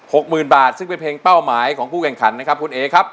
หมื่นบาทซึ่งเป็นเพลงเป้าหมายของผู้แข่งขันนะครับคุณเอครับ